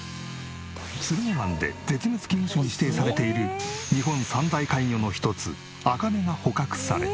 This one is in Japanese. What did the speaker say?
駿河湾で絶滅危惧種に指定されている日本三大怪魚の一つアカメが捕獲され。